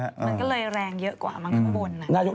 มันก็เลยแรงเยอะกว่ามั้งข้างบน